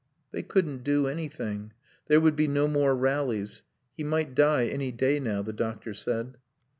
They couldn't do anything. There would be no more rallies. He might die any day now, the doctor said.